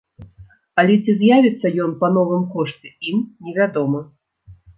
Але ці з'явіцца ён па новым кошце ім не вядома.